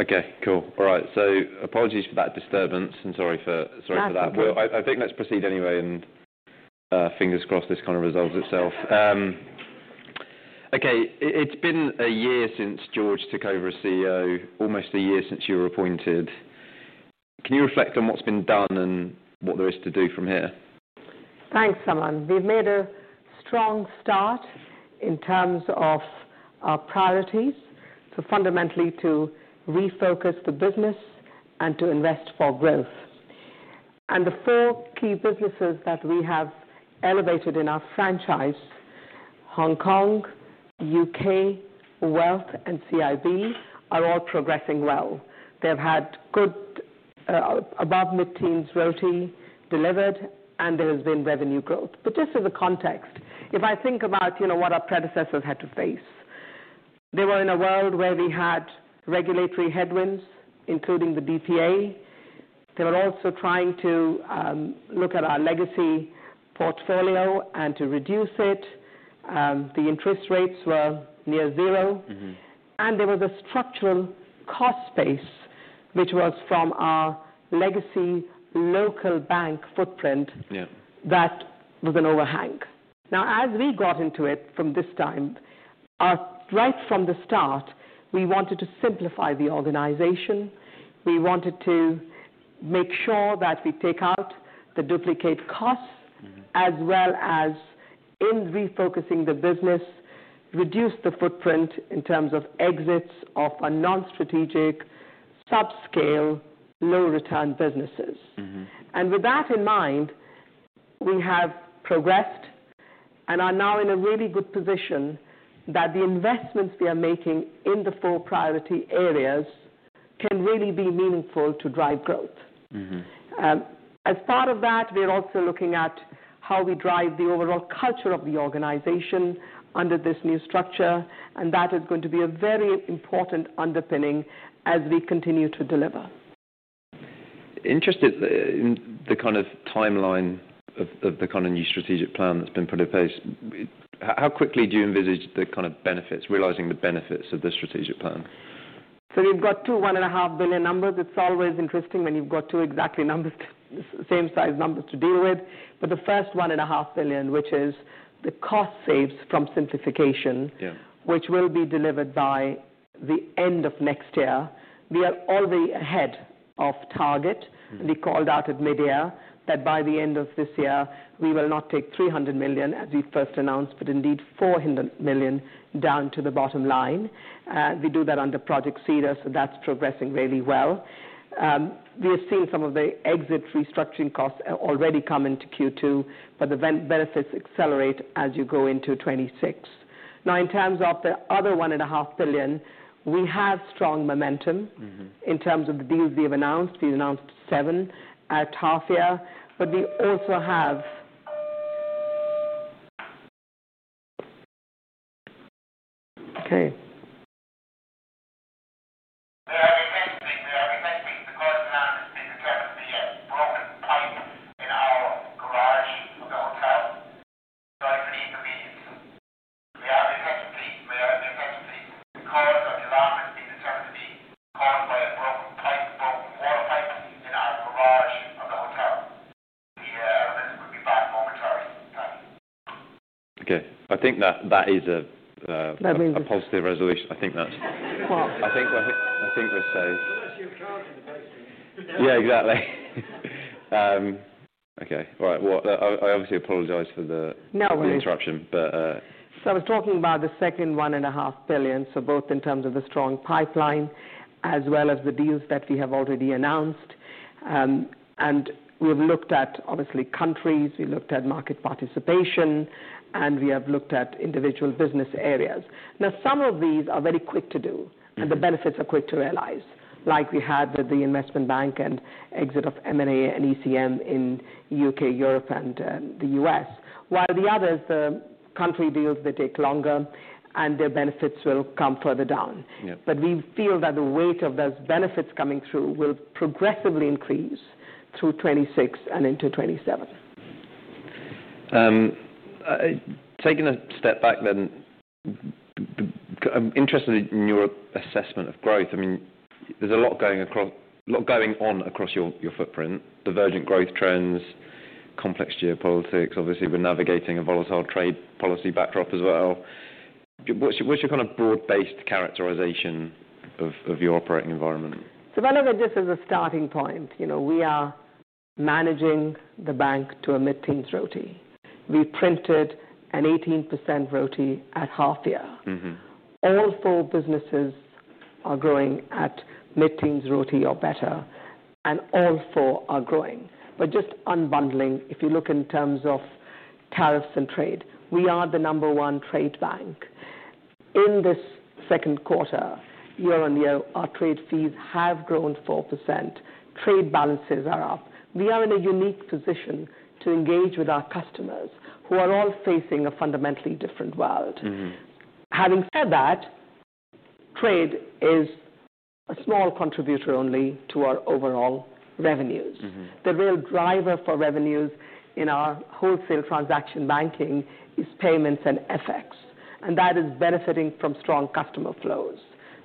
Okay, all right. Apologies for that disturbance and sorry for that. I think let's proceed anyway and fingers crossed this resolves itself. It's been a year since George took over as CEO, almost a year since you were appointed. Can you reflect on what's been done and what there is to do from here? Thanks, Raman. We've made a strong start in terms of our priorities. Fundamentally, to refocus the business and to invest for growth. The four key businesses that we have elevated in our franchise—Hong Kong, UK, Wealth, and CIB—are all progressing well. They've had good, above mid-teens return on tangible equity delivered, and there has been revenue growth. Just as a context, if I think about what our predecessors had to face, they were in a world where we had regulatory headwinds, including the BPA. They were also trying to look at our legacy portfolio and to reduce it. The interest rates were near zero, and there was a structural cost base which was from our legacy local bank footprint that was an overhang. As we got into it from this time, right from the start, we wanted to simplify the organization. We wanted to make sure that we take out the duplicate costs, as well as in refocusing the business, reduce the footprint in terms of exits of our non-strategic, sub-scale, low-return businesses. With that in mind, we have progressed and are now in a really good position that the investments we are making in the four priority areas can really be meaningful to drive growth. As part of that, we're also looking at how we drive the overall culture of the organization under this new structure, and that is going to be a very important underpinning as we continue to deliver. Interested in the kind of timeline of the kind of new strategic plan that's been put in place. How quickly do you envisage the kind of benefits, realizing the benefits of the strategic plan? We've got two $1.5 billion numbers. It's always interesting when you've got two exactly the same size numbers to deal with. The first $1.5 billion, which is the cost saves from simplification, which will be delivered by the end of next year, we are already ahead of target. We called out at mid-year that by the end of this year, we will not take $300 million as we first announced, but indeed $400 million down to the bottom line. We do that under Project Cedar, so that's progressing really well. We are seeing some of the exit restructuring costs already come into Q2, but the benefits accelerate as you go into 2026. In terms of the other $1.5 billion, we have strong momentum in terms of the deals we've announced. We've announced seven at half year, but we also have. Okay. We are the first to declare our investment of more than $120 million broken body in our garage in Sioux Falls, California. In the meantime, we are the first to face, we are the first to face the cause of the alarm has been eternity. Okay. I think that that is a positive resolution. I think that's... Well. I think we're safe. Solution first. Yeah, exactly. Okay. All right. I obviously apologize for the interruption. I was talking about the second $1.5 billion, both in terms of the strong pipeline as well as the deals that we have already announced. We have looked at countries, market participation, and individual business areas. Some of these are very quick to do, and the benefits are quick to realize, like we had with the investment bank and exit of M&A and ECM in the UK, Europe, and the U.S. Others, the country deals, take longer and their benefits will come further down. We feel that the weight of those benefits coming through will progressively increase through 2026 and into 2027. Taking a step back, I'm interested in your assessment of growth. There's a lot going on across your footprint, divergent growth trends, complex geopolitics. Obviously, we're navigating a volatile trade policy backdrop as well. What's your kind of broad-based characterization of your operating environment? That is just as a starting point. You know, we are managing the bank to a mid-teens ROTE. We printed an 18% ROTE at half year. All four businesses are growing at mid-teens ROTE or better, and all four are growing. Just unbundling, if you look in terms of tariffs and trade, we are the number one trade bank. In this second quarter, year-on-year, our trade fees have grown 4%. Trade balances are up. We are in a unique position to engage with our customers who are all facing a fundamentally different world. Having said that, trade is a small contributor only to our overall revenues. The real driver for revenues in our wholesale transaction banking is payments and FX, and that is benefiting from strong customer flows.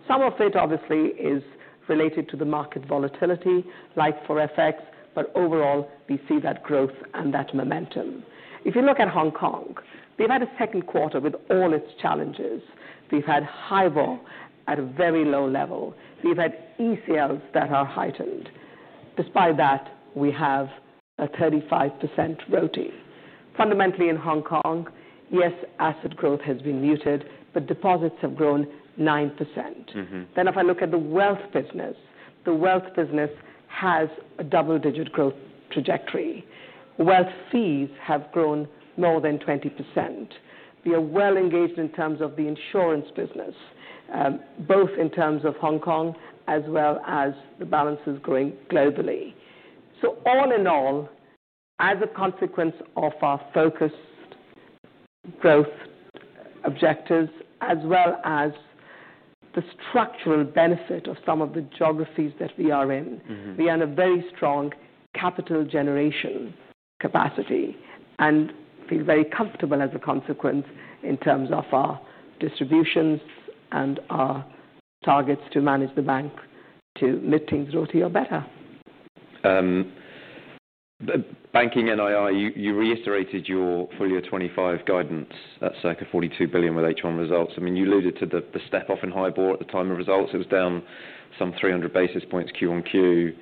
Some of it obviously is related to the market volatility, like for FX, but overall, we see that growth and that momentum. If you look at Hong Kong, we've had a second quarter with all its challenges. We've had HIBOR at a very low level. We've had ECLs that are heightened. Despite that, we have a 35% return on tangible equity. Fundamentally in Hong Kong, yes, asset growth has been muted, but deposits have grown 9%. If I look at the Wealth business, the Wealth business has a double-digit growth trajectory. Wealth fees have grown more than 20%. We are well engaged in terms of the insurance business, both in terms of Hong Kong as well as the balances growing globally. All in all, as a consequence of our focused growth objectives, as well as the structural benefit of some of the geographies that we are in, we are in a very strong capital generation capacity and feel very comfortable as a consequence in terms of our distributions and our targets to manage the bank to mid-teens ROTE or better. Banking NII, you reiterated your full year 2025 guidance at circa $42 billion with H1 results. I mean, you alluded to the step-off in HIBOR at the time of results. It was down some 300 basis points Q1Q.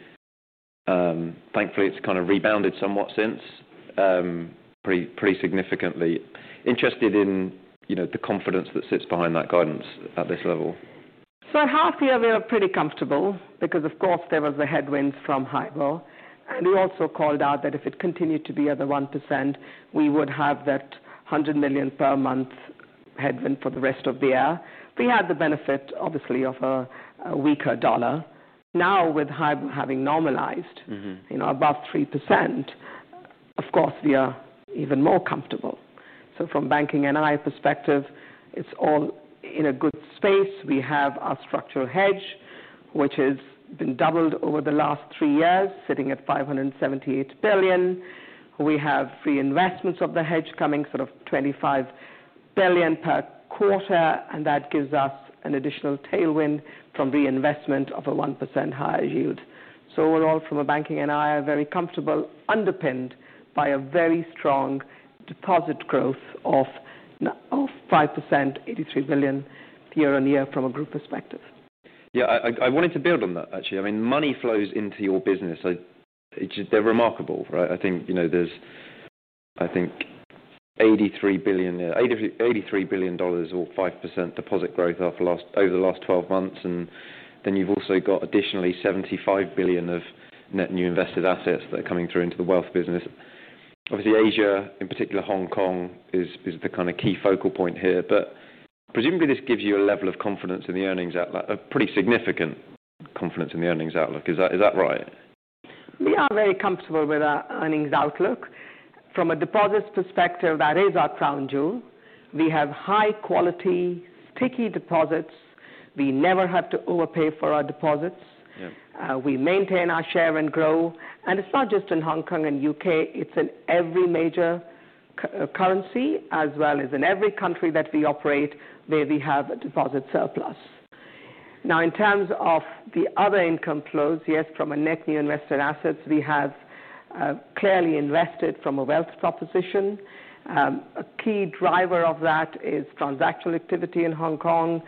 Thankfully, it's kind of rebounded somewhat since, pretty significantly. Interested in the confidence that sits behind that guidance at this level. At half year, we were pretty comfortable because, of course, there were the headwinds from HIBOR. We also called out that if it continued to be at the 1%, we would have that $100-million-per-month headwind for the rest of the year. We had the benefit, obviously, of a weaker dollar. Now, with HIBOR having normalized above 3%, of course, we are even more comfortable. From a banking NII perspective, it's all in a good space. We have our structural hedge, which has been doubled over the last three years, sitting at $578 billion. We have free investments of the hedge coming, sort of $25 billion per quarter, and that gives us an additional tailwind from reinvestment of a 1% higher yield. Overall, from a banking NII, I'm very comfortable, underpinned by a very strong deposit growth of 5%, $83 billion year-on-year from a group perspective. Yeah, I wanted to build on that, actually. I mean, money flows into your business. They're remarkable, right? I think there's, I think, $83 billion or 5% deposit growth over the last 12 months. You've also got additionally $75 billion of net new invested assets that are coming through into the Wealth business. Obviously, Asia, in particular Hong Kong, is the key focal point here. Presumably, this gives you a level of confidence in the earnings outlook, a pretty significant confidence in the earnings outlook. Is that right? We are very comfortable with our earnings outlook. From a deposits perspective, that is our crown jewel. We have high quality, sticky deposits. We never have to overpay for our deposits. We maintain our share and grow. It's not just in Hong Kong and UK. It's in every major currency, as well as in every country that we operate, where we have a deposit surplus. In terms of the other income flows, yes, from a net new invested assets, we have clearly invested from a wealth proposition. A key driver of that is transactional activity in Hong Kong.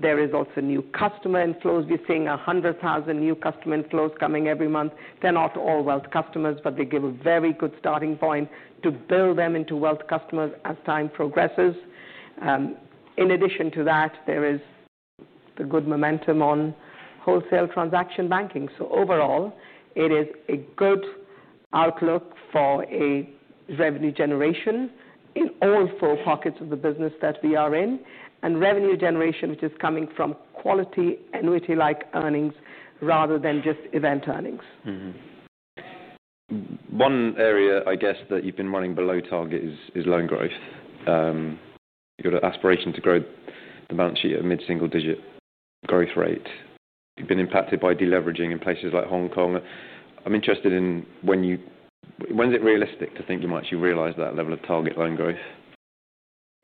There is also new customer inflows. We're seeing 100,000 new customer inflows coming every month. They're not aealth customers, but they give a very good starting point to build them into wealth customers as time progresses. In addition to that, there is the good momentum on wholesale transaction banking. Overall, it is a good outlook for a revenue generation in all four pockets of the business that we are in. Revenue generation, which is coming from quality, annuity-like earnings, rather than just event earnings. One area that you've been running below target is loan growth. You've got an aspiration to grow the balance sheet at a mid-single-digit growth rate. You've been impacted by deleveraging in places like Hong Kong. I'm interested in when you, when's it realistic to think you might actually realize that level of target loan growth?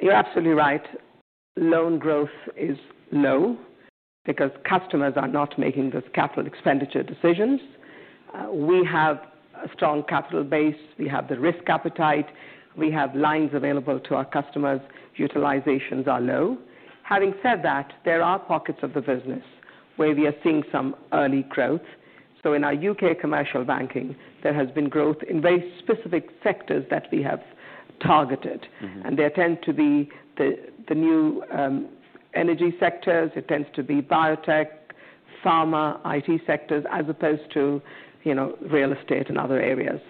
You're absolutely right. Loan growth is low because customers are not making those capital expenditure decisions. We have a strong capital base. We have the risk appetite. We have lines available to our customers. Utilizations are low. Having said that, there are pockets of the business where we are seeing some early growth. In our UK commercial banking, there has been growth in very specific sectors that we have targeted. They tend to be the new energy sectors. It tends to be biotech, pharma, IT sectors, as opposed to, you know, real estate and other areas.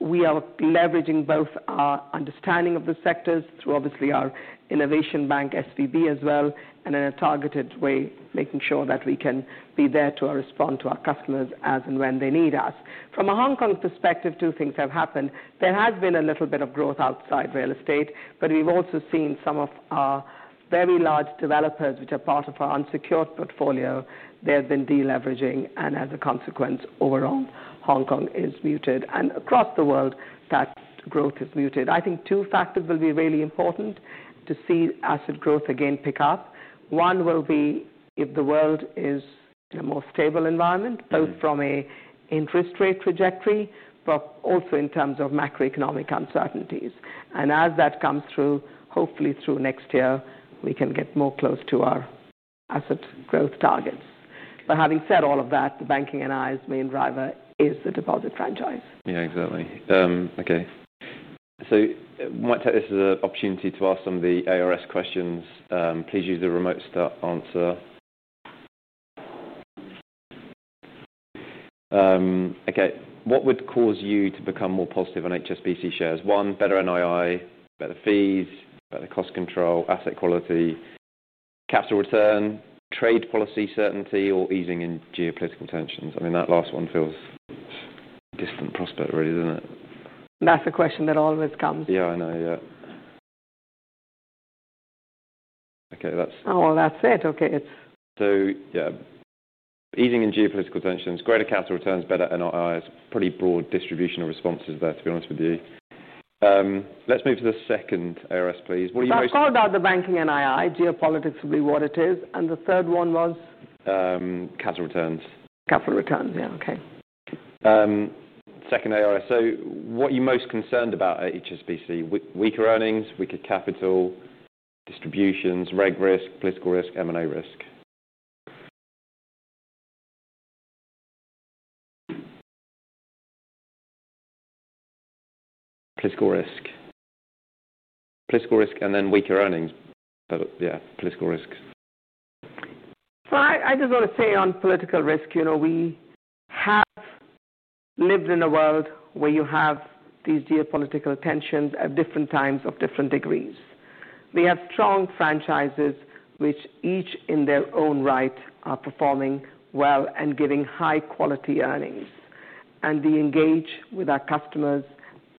We are leveraging both our understanding of the sectors through, obviously, our innovation bank, SVB, as well, and in a targeted way, making sure that we can be there to respond to our customers as and when they need us. From a Hong Kong perspective, two things have happened. There has been a little bit of growth outside real estate, but we've also seen some of our very large developers, which are part of our unsecured portfolio, have been deleveraging. As a consequence, overall, Hong Kong is muted. Across the world, that growth is muted. I think two factors will be really important to see asset growth again pick up. One will be if the world is in a more stable environment, both from an interest rate trajectory, but also in terms of macroeconomic uncertainties. As that comes through, hopefully through next year, we can get more close to our asset growth targets. Having said all of that, the banking NII's main driver is the deposit franchise. Yeah, exactly. Okay. We might take this as an opportunity to ask some of the ARS questions. Please use the remote start answer. What would cause you to become more positive on HSBC shares? One, better NII, better fees, better cost control, asset quality, capital return, trade policy certainty, or easing in geopolitical tensions? I mean, that last one feels a distant prospect really, doesn't it? That's a question that always comes. Yeah, I know. Okay. Oh, that's it. Okay. Easing in geopolitical tensions, greater capital returns, better NII. It's a pretty broad distribution of responses there, to be honest with you. Let's move to the second ARS, please. I've called out the banking NII. Geopolitics will be what it is. The third one was? Capital returns. Capital returns, yeah. Okay. Second ARS. What are you most concerned about at HSBC? Weaker earnings, weaker capital, distributions, reg risk, political risk, M&A risk? Political risk. Political risk and then weaker earnings. Yeah, political risks. On political risk, you know, we have lived in a world where you have these geopolitical tensions at different times of different degrees. We have strong franchises which each in their own right are performing well and giving high quality earnings. We engage with our customers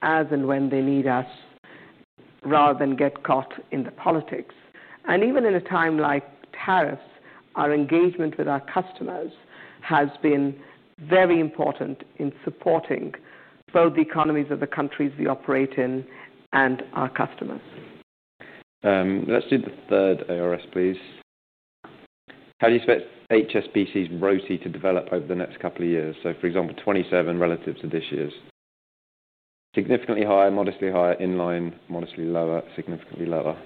as and when they need us, rather than get caught in the politics. Even in a time like tariffs, our engagement with our customers has been very important in supporting both the economies of the countries we operate in and our customers. Let's do the third ARS, please. How do you expect HSBC's royalty to develop over the next couple of years? For example, 2027 relative to this year's. Significantly higher, modestly higher, in line, modestly lower, significantly lower.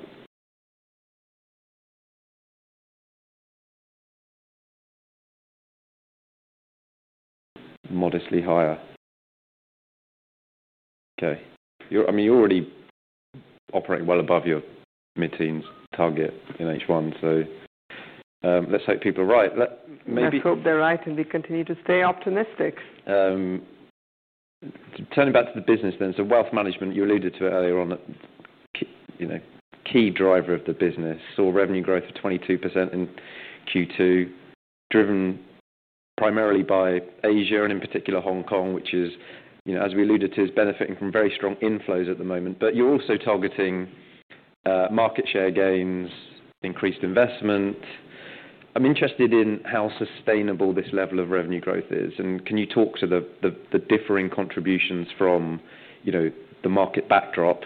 Modestly higher. You're already operating well above your mid-teens target in H1. Let's hope people are right. I hope they're right and they continue to stay optimistic. Turning back to the business then, wealth management, you alluded to earlier on, key driver of the business. Saw revenue growth of 22% in Q2, driven primarily by Asia and in particular Hong Kong, which is, as we alluded to, is benefiting from very strong inflows at the moment. You're also targeting market share gains, increased investment. I'm interested in how sustainable this level of revenue growth is. Can you talk to the differing contributions from the market backdrop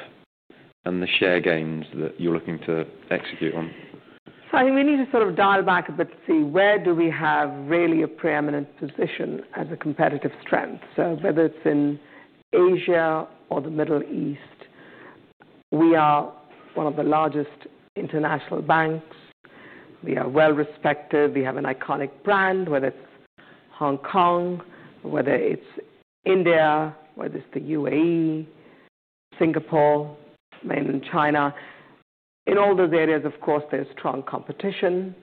and the share gains that you're looking to execute on? I think we need to sort of dial back a bit to see where do we have really a preeminent position as a competitive strength. Whether it's in Asia or the Middle East, we are one of the largest international banks. We are well respected. We have an iconic brand, whether it's Hong Kong, whether it's India, whether it's the UAE, Singapore, mainland China. In all those areas, of course, there's strong competition.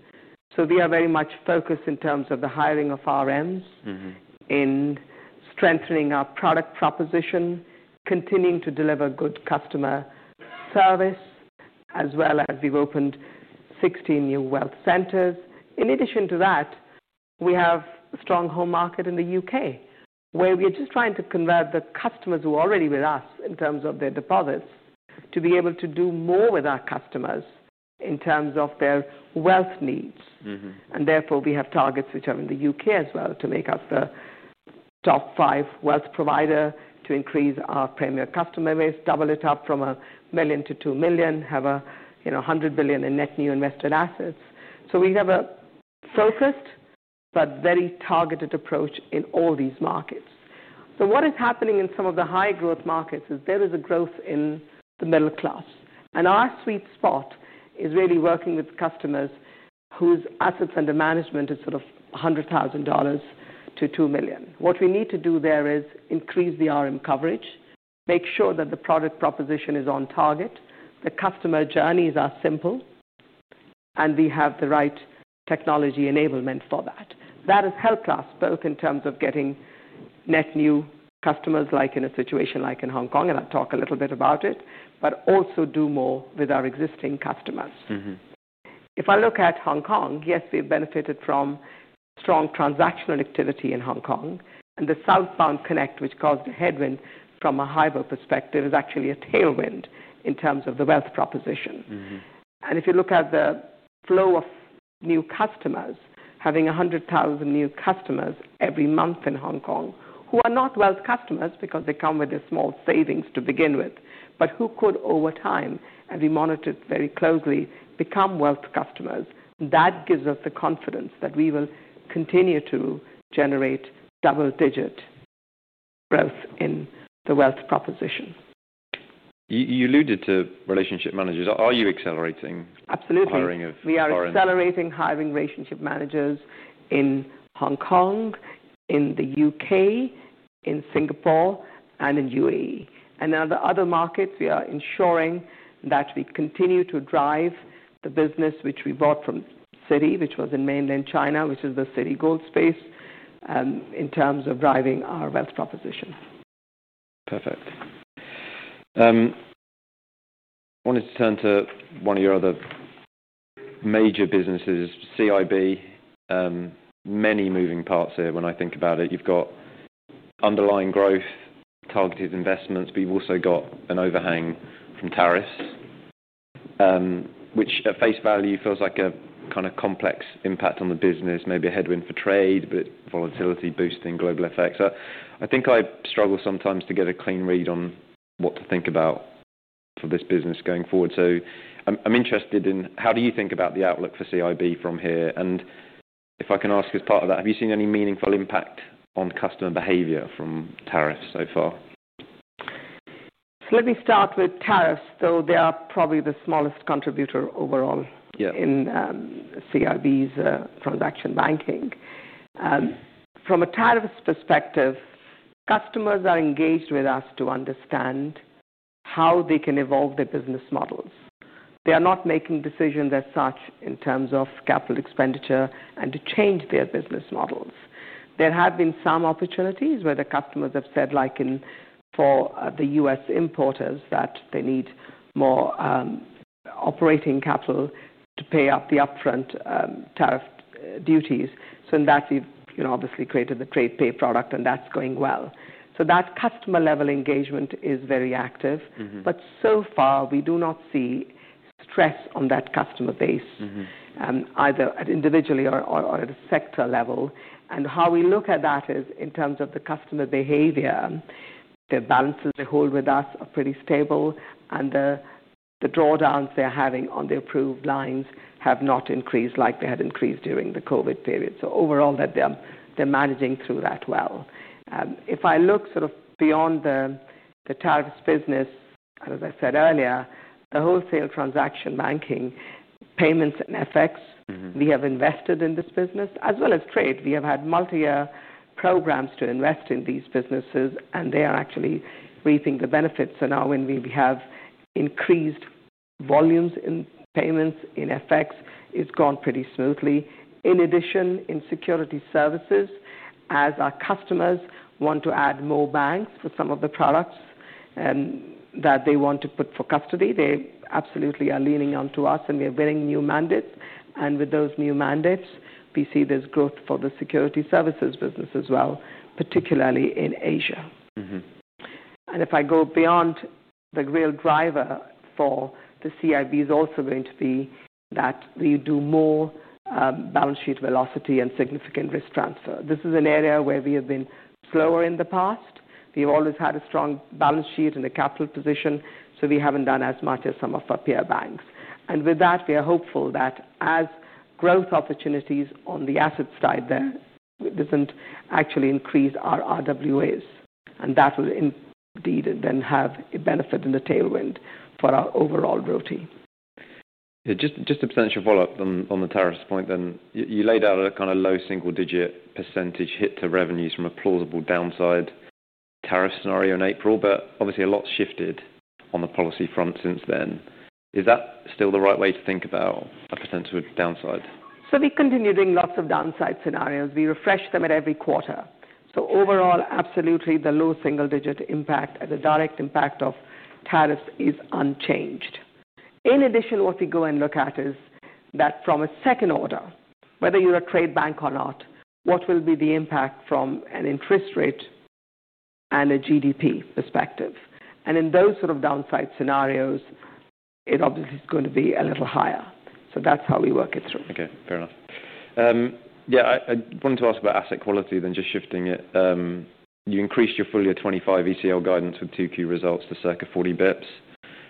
We are very much focused in terms of the hiring of RMs in strengthening our product proposition, continuing to deliver good customer service, as well as we've opened 16 nealth centers. In addition to that, we have a strong home market in the UK, where we are just trying to convert the customers who are already with us in terms of their deposits to be able to do more with our customers in terms of their wealth needs. Therefore, we have targets which are in the UK as well to make us the top five wealth provider, to increase our premier customer base, double it up from a million to two million, have $100 billion in net new invested assets. We have a focused but very targeted approach in all these markets. What is happening in some of the high growth markets is there is a growth in the middle class. Our sweet spot is really working with customers whose asset under management is sort of $100,000-$2 million. What we need to do there is increase the RM coverage, make sure that the product proposition is on target, the customer journeys are simple, and we have the right technology enablement for that. That has helped us both in terms of getting net new customers like in a situation like in Hong Kong, and I'll talk a little bit about it, but also do more with our existing customers. If I look at Hong Kong, yes, we've benefited from strong transactional activity in Hong Kong, and the Southbound Connect, which caused a headwind from a HIBOR perspective, is actually a tailwind in terms of the wealth proposition. If you look at the flow of new customers, having 100,000 new customers every month in Hong Kong, who are not wealth customers because they come with a small savings to begin with, but who could over time, and we monitor it very closely, become wealth customers. That gives us the confidence that we will continue to generate double-digit growth in the wealth proposition. You alluded to relationship managers. Are you accelerating? Absolutely. We are accelerating hiring relationship managers in Hong Kong, the UK, Singapore, and the UAE. In the other markets, we are ensuring that we continue to drive the business which we bought from Citi, which was in mainland China, which is the Citi Gold space, in terms of driving our wealth proposition. Perfect. I wanted to turn to one of your other major businesses, CIB. Many moving parts here when I think about it. You've got underlying growth, targeted investments, but you've also got an overhang from tariffs, which at face value feels like a kind of complex impact on the business, maybe a headwind for trade, but volatility boosting global FX. I think I struggle sometimes to get a clean read on what to think about for this business going forward. I'm interested in how do you think about the outlook for CIB from here? If I can ask as part of that, have you seen any meaningful impact on customer behavior from tariffs so far? Let me start with tariffs, though they are probably the smallest contributor overall in CIB's transaction banking. From a tariffs perspective, customers are engaged with us to understand how they can evolve their business models. They are not making decisions as such in terms of capital expenditure and to change their business models. There have been some opportunities where the customers have said, like for the U.S. importers, that they need more operating capital to pay up the upfront tariff duties. In that, we've obviously created the trade pay product, and that's going well. That customer level engagement is very active. So far, we do not see stress on that customer base, either individually or at a sector level. How we look at that is in terms of the customer behavior, the balances they hold with us are pretty stable, and the drawdowns they're having on the approved lines have not increased like they had increased during the COVID period. Overall, they're managing through that well. If I look beyond the tariffs business, as I said earlier, the wholesale transaction banking, payments, and FX, we have invested in this business, as well as trade. We have had multi-year programs to invest in these businesses, and they are actually reaping the benefits. Now when we have increased volumes in payments, in FX, it's gone pretty smoothly. In addition, in security services, as our customers want to add more banks for some of the products that they want to put for custody, they absolutely are leaning onto us, and we're winning new mandates. With those new mandates, we see this growth for the security services business as well, particularly in Asia. If I go beyond, the real driver for the CIB is also going to be that we do more balance sheet velocity and significant risk transfer. This is an area where we have been slower in the past. We've always had a strong balance sheet and a capital position, so we haven't done as much as some of our peer banks. With that, we are hopeful that as growth opportunities on the asset side there doesn't actually increase our RWAs, and that will indeed then have a benefit in the tailwind for our overall royalty. Just a percentage of follow-up on the tariffs point. You laid out a kind of low single-digit % hit to revenues from a plausible downside tariff scenario in April, but obviously a lot shifted on the policy front since then. Is that still the right way to think about a potential downside? We continue doing lots of downside scenarios. We refresh them at every quarter. Overall, absolutely, the low single-digit impact and the direct impact of tariffs is unchanged. In addition, what we go and look at is that from a second order, whether you're a trade bank or not, what will be the impact from an interest rate and a GDP perspective. In those sort of downside scenarios, it obviously is going to be a little higher. That's how we work it through. Okay, fair enough. I wanted to ask about asset quality then, just shifting it. You increased your full year 2025 ECL guidance with 2Q results to circa 40 bps.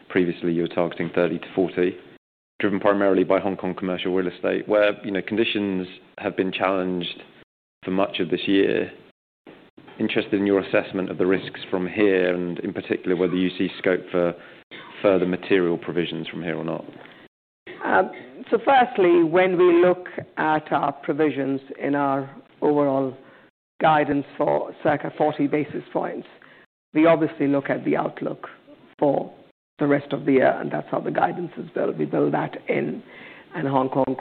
Previously, you were targeting 30 pbs-40 bps, driven primarily by Hong Kong commercial real estate, where you know conditions have been challenged for much of this year. Interested in your assessment of the risks from here, and in particular whether you see scope for further material provisions from here or not. Firstly, when we look at our provisions in our overall guidance for circa-40 basis points, we obviously look at the outlook for the rest of the year, and that's how the guidance is built. We build that in, and Hong Kong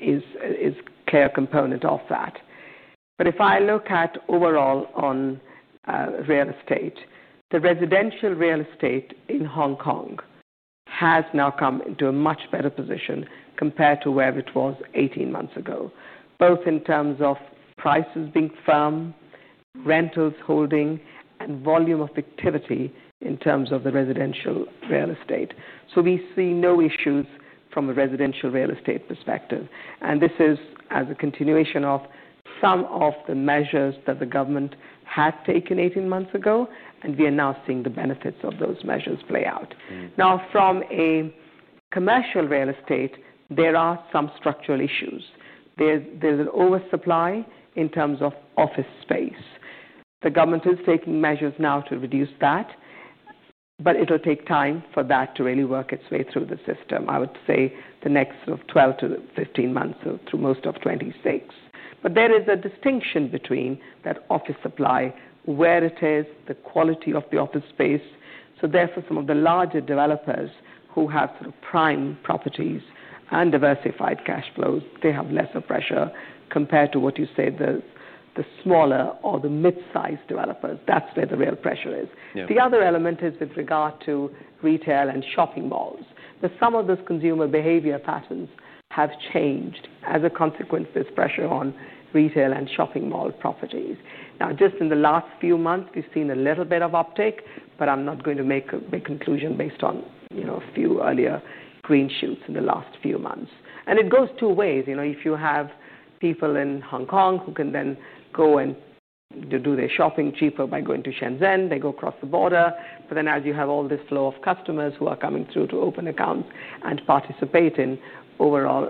is a clear component of that. If I look at overall on real estate, the residential real estate in Hong Kong has now come into a much better position compared to where it was 18 months ago, both in terms of prices being firm, rentals holding, and volume of activity in terms of the residential real estate. We see no issues from a residential real estate perspective. This is as a continuation of some of the measures that the government had taken 18 months ago, and we are now seeing the benefits of those measures play out. Now, from a commercial real estate, there are some structural issues. There is an oversupply in terms of office space. The government is taking measures now to reduce that, but it will take time for that to really work its way through the system. I would say the next sort of 12 to 15 months, so through most of 2026. There is a distinction between that office supply, where it is, the quality of the office space. Therefore, some of the larger developers who have sort of prime properties and diversified cash flows have lesser pressure compared to, say, the smaller or the mid-sized developers. That's where the real pressure is. The other element is with regard to retail and shopping malls. Some of those consumer behavior patterns have changed as a consequence of this pressure on retail and shopping mall properties. Just in the last few months, we've seen a little bit of uptake, but I'm not going to make a big conclusion based on a few earlier green shoots in the last few months. It goes two ways. If you have people in Hong Kong who can then go and do their shopping cheaper by going to Shenzhen, they go across the border. As you have all this flow of customers who are coming through to open accounts and participate in overall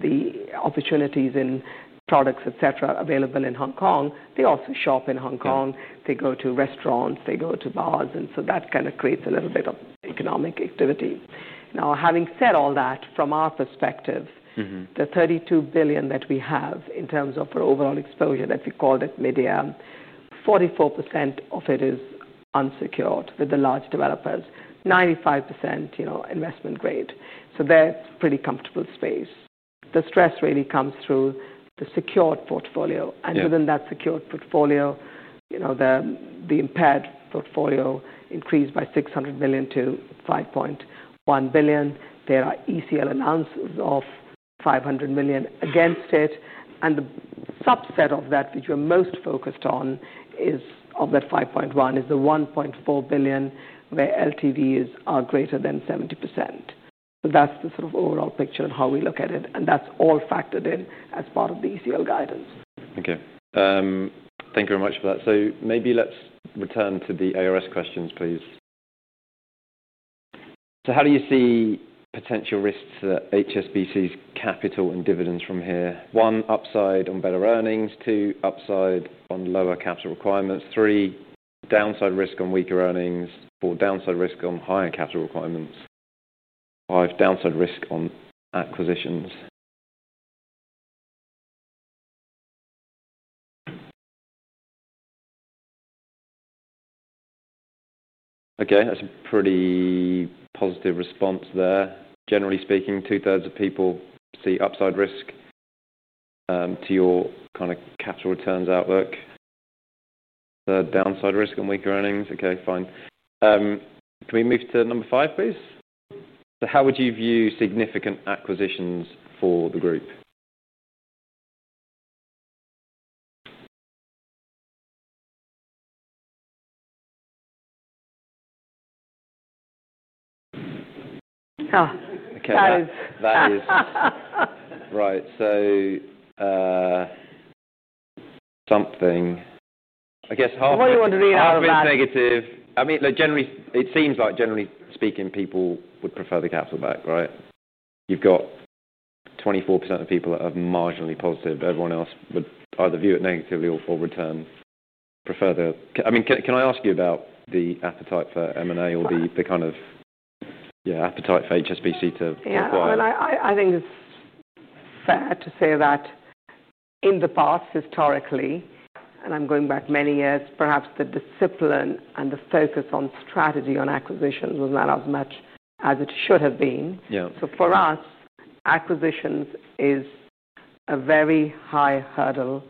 the opportunities in products, et cetera, available in Hong Kong, they also shop in Hong Kong. They go to restaurants, they go to bars, and so that kind of creates a little bit of economic activity. Having said all that, from our perspective, the $32 billion that we have in terms of our overall exposure, let's call it medium, 44% of it is unsecured with the large developers, 95% investment grade. That's a pretty comfortable space. The stress really comes through the secured portfolio, and within that secured portfolio, the impaired portfolio increased by $600 million to $5.1 billion. There are ECL announcements of $500 million against it, and the subset of that, which we're most focused on, is of the $5.1 billion, the $1.4 billion where LTVs are greater than 70%. That's the sort of overall picture and how we look at it, and that's all factored in as part of the ECL guidance. Okay. Thank you very much for that. Maybe let's return to the ARS questions, please. How do you see potential risks to HSBC's capital and dividends from here? One, upside on better earnings. Two, upside on lower capital requirements. Three, downside risk on weaker earnings. Four, downside risk on higher capital requirements. Five, downside risk on acquisitions. That's a pretty positive response there. Generally speaking, two-thirds of people see upside risk to your kind of capital returns outlook. The downside risk on weaker earnings. Okay, fine. Can we move to number five, please? How would you view significant acquisitions for the group? Oh, okay. That is. That is right. Something, I guess half of it is negative. I mean, look, generally, it seems like generally speaking, people would prefer the capital back, right? You've got 24% of people that are marginally positive, but everyone else would either view it negatively or for return, prefer the... I mean, can I ask you about the appetite for M&A or the kind of, yeah, appetite for HSBC to acquire? Yeah, I mean, I think it's fair to say that in the past, historically, and I'm going back many years, perhaps the discipline and the focus on strategy on acquisitions was not as much as it should have been. For us, acquisitions is a very high hurdle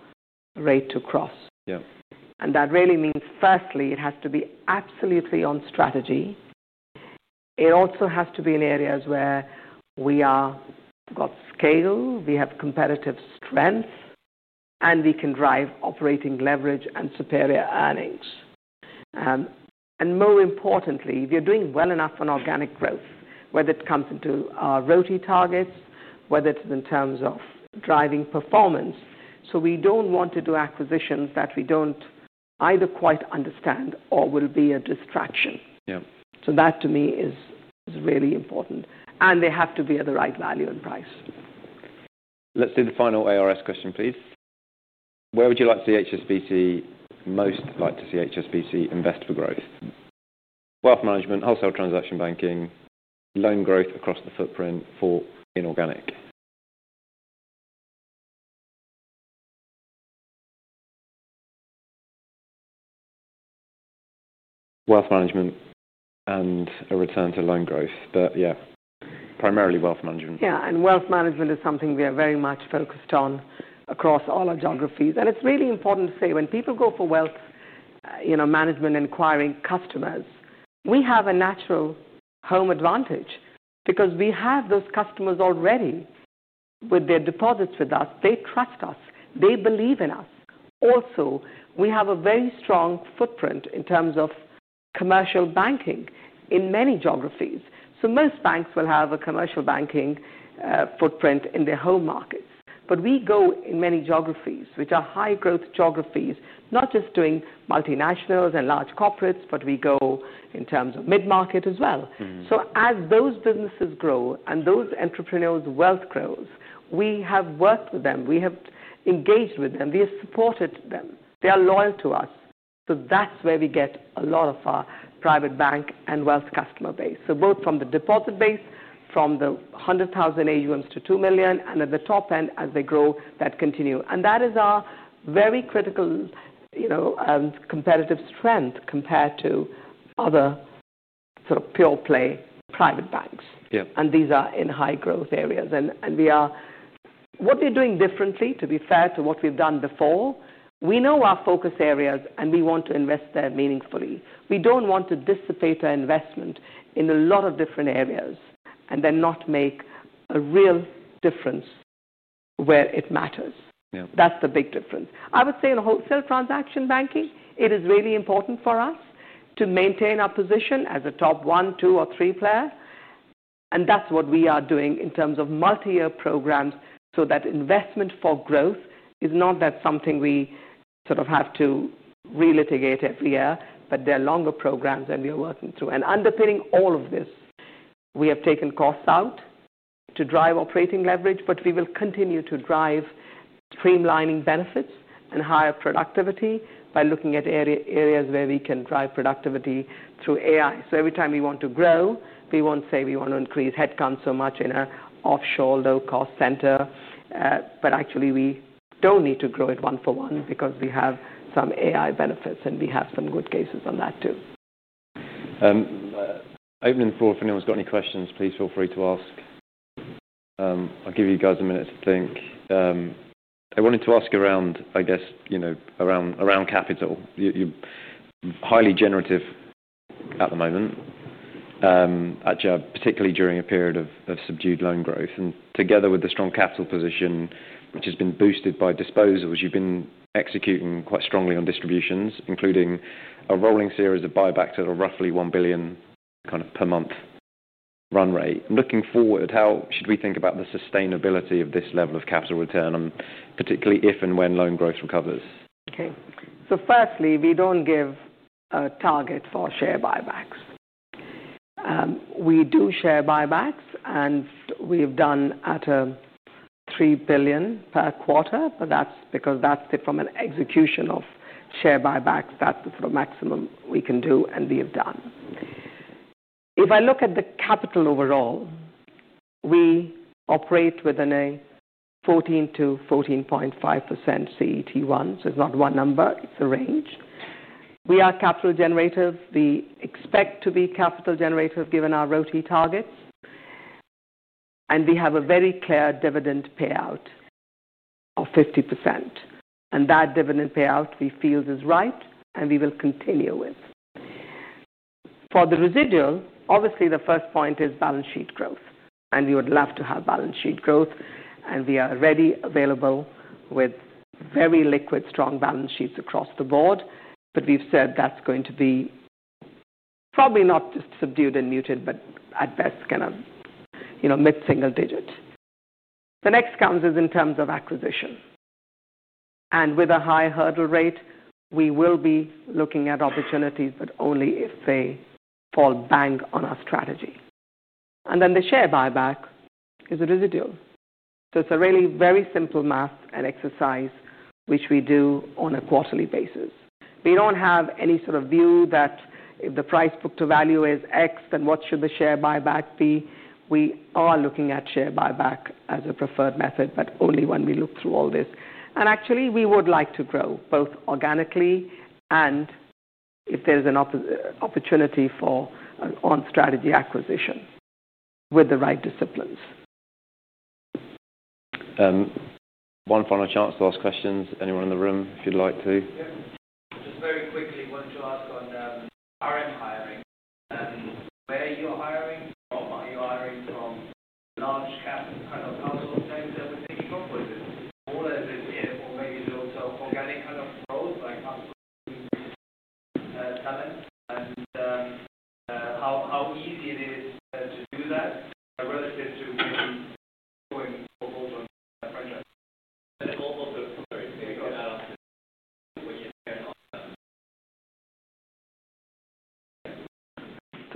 rate to cross. That really means, firstly, it has to be absolutely on strategy. It also has to be in areas where we have got scale, we have competitive strength, and we can drive operating leverage and superior earnings. More importantly, if you're doing well enough on organic growth, whether it comes into our royalty targets, whether it's in terms of driving performance, we don't want to do acquisitions that we don't either quite understand or will be a distraction. That to me is really important. They have to be at the right value and price. Let's do the final ARS question, please. Where would you like to see HSBC most like to see HSBC invest for growth? Wealth management, wholesale transaction banking, loan growth across the footprint for inorganic. Wealth management and a return to loan growth, but yeah, primarily wealth management. Yeah, and wealth management is something we are very much focused on across all our geographies. It's really important to say when people go for wealth, you know, management inquiring customers, we have a natural home advantage because we have those customers already with their deposits with us. They trust us. They believe in us. Also, we have a very strong footprint in terms of commercial banking in many geographies. Most banks will have a commercial banking footprint in their home markets. We go in many geographies, which are high growth geographies, not just doing multinationals and large corporates, but we go in terms of mid-market as well. As those businesses grow and those entrepreneurs' wealth grows, we have worked with them. We have engaged with them. We have supported them. They are loyal to us. That's where we get a lot of our private bank and wealth customer base, both from the deposit base, from the $100,000 AUMs to $2 million, and at the top end, as they grow, that continues. That is our very critical, you know, competitive strength compared to other sort of pure play private banks. These are in high growth areas. What we're doing differently, to be fair to what we've done before, we know our focus areas and we want to invest there meaningfully. We don't want to dissipate our investment in a lot of different areas and then not make a real difference where it matters. That's the big difference. I would say in wholesale transaction banking, it is really important for us to maintain our position as a top one, two, or three player. That's what we are doing in terms of multi-year programs so that investment for growth is not something we sort of have to relitigate every year, but they're longer programs and we are working through. Underpinning all of this, we have taken costs out to drive operating leverage, but we will continue to drive streamlining benefits and higher productivity by looking at areas where we can drive productivity through AI. Every time we want to grow, we won't say we want to increase headcount so much in an offshore low-cost center, but actually we don't need to grow it one for one because we have some AI benefits and we have some good cases on that too- If anyone's got any questions, please feel free to ask. I'll give you guys a minute to think. I wanted to ask around, I guess, you know, around capital. You're highly generative at the moment, particularly during a period of subdued loan growth. Together with the strong capital position, which has been boosted by disposals, you've been executing quite strongly on distributions, including a rolling series of buybacks at a roughly $1-billion-per-month run rate. Looking forward, how should we think about the sustainability of this level of capital return, particularly if and when loan growth recovers? Okay. Firstly, we don't give a target for share buybacks. We do share buybacks and we've done at $3 billion per quarter, but that's because that's it from an execution of share buybacks. That's the sort of maximum we can do and we have done. If I look at the capital overall, we operate within a 14%-14.5% CET1, so it's not one number, it's a range. We are capital generative. We expect to be capital generative given our royalty targets. We have a very clear dividend payout of 50%. That dividend payout we feel is right and we will continue with. For the residual, obviously the first point is balance sheet growth. We would love to have balance sheet growth. We are ready, available with very liquid, strong balance sheets across the board. We've said that's going to be probably not just subdued and muted, but at best, kind of mid-single digit. Next comes in terms of acquisition. With a high hurdle rate, we will be looking at opportunities, but only if they fall bang on our strategy. The share buyback is a residual. It's a really very simple math and exercise which we do on a quarterly basis. We don't have any sort of view that if the price book to value is X, then what should the share buyback be. We are looking at share buyback as a preferred method, but only when we look through all this. Actually, we would like to grow both organically and if there's an opportunity for on-strategy acquisition with the right disciplines. One final chance to ask questions. Anyone in the room if you'd like to? Yeah. Just very quickly, what did you ask on around RM hiring?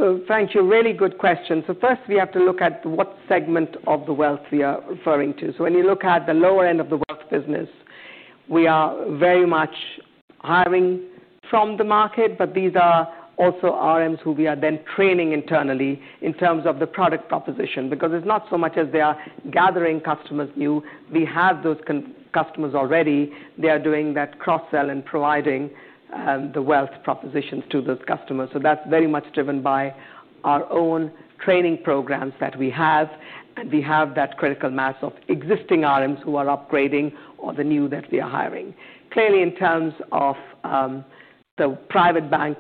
Where are you hiring? What are you hiring from? Notch Capital, Cutting of Council, Strangedal telling? How easy is it to do that? I'd rather say it's too easy. That's a really good question. First, we have to look at what segment of the Wealth we are referring to. When you look at the lower end of the Wealth business, we are very much hiring from the market, but these are also RMs who we are then training internally in terms of the product proposition because it's not so much as they are gathering customers new. We have those customers already. They are doing that cross-sell and providing the Wealth propositions to those customers. That's very much driven by our own training programs that we have. We have that critical mass of existing RMs who are upgrading or the new that we are hiring. Clearly, in terms of the private bank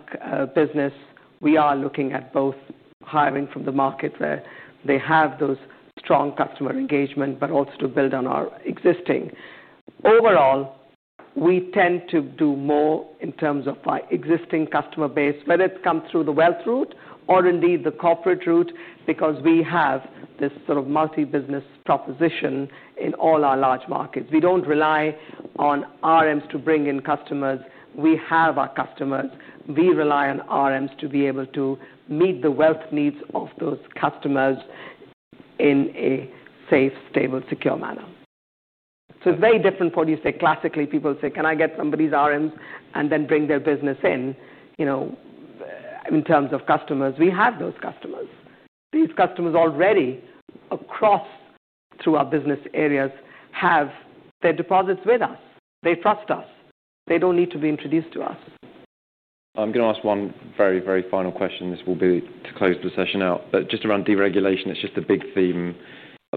business, we are looking at both hiring from the market where they have those strong customer engagement, but also to build on our existing. Overall, we tend to do more in terms of our existing customer base, whether it comes through the Wealth route or indeed the corporate route because we have this sort of multi-business proposition in all our large markets. We don't rely on RMs to bring in customers. We have our customers. We rely on RMs to be able to meet the Wealth needs of those customers in a safe, stable, secure manner. It's very different from what you say. Classically, people say, "Can I get somebody's RMs and then bring their business in?" In terms of customers, we have those customers. These customers already across through our business areas have their deposits with us. They trust us. They don't need to be introduced to us. I'm going to ask one very, very final question. This will be to close the session out. Just around deregulation, it's a big theme of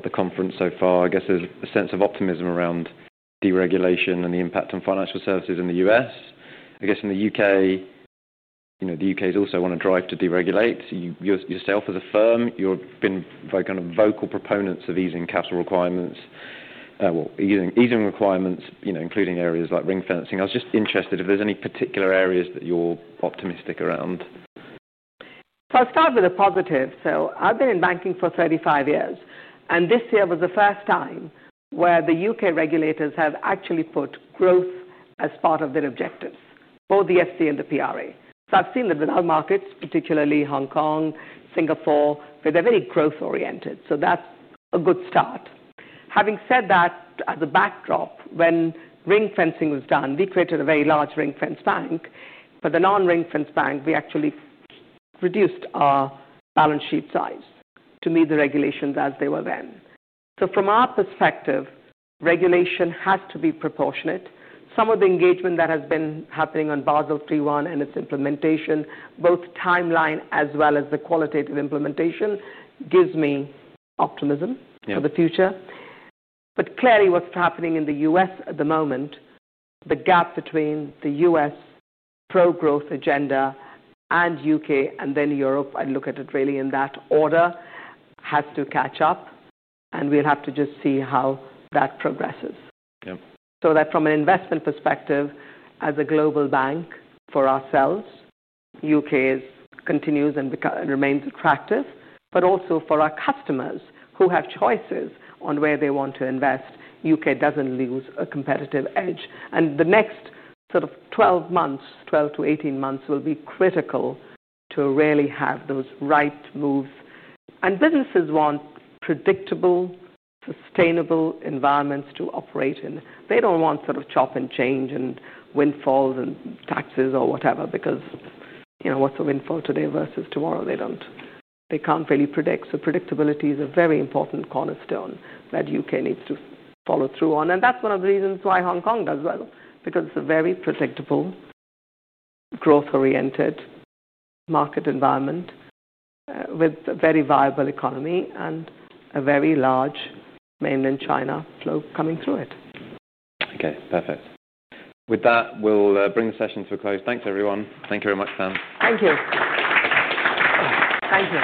the conference so far. I guess there's a sense of optimism around deregulation and the impact on financial services in the U.S. I guess in the UK, you know, the UK's also on a drive to deregulate. You yourself as a firm, you've been very kind of vocal proponents of easing capital requirements, easing requirements, including areas like ring-fencing. I was just interested if there's any particular areas that you're optimistic around. I'll start with a positive. I've been in banking for 35 years, and this year was the first time where the UK regulators have actually put growth as part of their objectives, both the FCA and the PRA. I've seen that with other markets, particularly Hong Kong and Singapore, where they're very growth-oriented. That's a good start. Having said that, as a backdrop, when ring-fencing was done, we created a very large ring-fence bank. For the non-ring-fence bank, we actually reduced our balance sheet size to meet the regulations as they were then. From our perspective, regulation has to be proportionate. Some of the engagement that has been happening on Basel III and its implementation, both timeline as well as the qualitative implementation, gives me optimism for the future. Clearly, what's happening in the U.S. at the moment, the gap between the U.S. pro-growth agenda and UK and then Europe, I look at it really in that order, has to catch up. We'll have to just see how that progresses. From an investment perspective, as a global bank for ourselves, the UK continues and remains attractive, but also for our customers who have choices on where they want to invest, the UK doesn't lose a competitive edge. The next 12 to 18 months will be critical to really have those right moves. Businesses want predictable, sustainable environments to operate in. They don't want chop and change and windfalls and taxes or whatever, because you know what's the windfall today versus tomorrow? They can't really predict. Predictability is a very important cornerstone that the UK needs to follow through on. That's one of the reasons why Hong Kong does well, because it's a very predictable, growth-oriented market environment with a very viable economy and a very large mainland China flow coming through it. Okay, perfect. With that, we'll bring the session to a close. Thanks, everyone. Thank you very much, Sam. Thank you. Thank you.